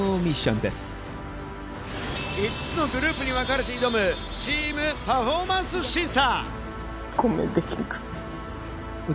５つのグループにわかれて挑むチーム・パフォーマンス審査。